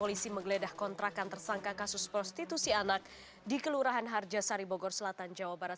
polisi menggeledah kontrakan tersangka kasus prostitusi anak di kelurahan harjasari bogor selatan jawa barat